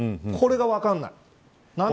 これが分からない。